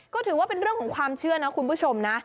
ก็ถือว่าเป็นเรื่องของความเชื่อนะคุณผู้ชมนะ